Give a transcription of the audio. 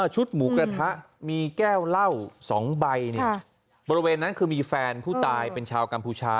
หมูกระทะมีแก้วเหล้า๒ใบบริเวณนั้นคือมีแฟนผู้ตายเป็นชาวกัมพูชา